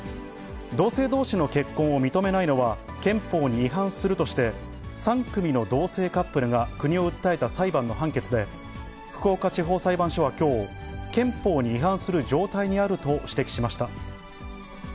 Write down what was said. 同性どうしの結婚を認めないのは、憲法に違反するとして、３組の同性カップルが国を訴えた裁判の判決で、福岡地方裁判所はきょう、憲法に違反する状態にあると指摘しました。